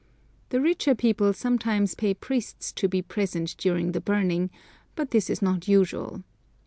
The richer people sometimes pay priests to be present during the burning, but this is not usual.